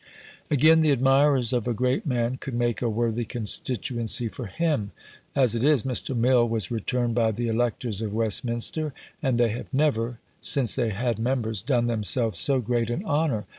Again, the admirers of a great man could make a worthy constituency for him. As it is, Mr. Mill was returned by the electors of Westminster; and they have never, since they had members, done themselves so great an honour.